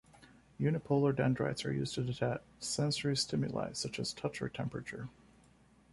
Unipolar dendrites are used to detect sensory stimuli such as touch or temperature.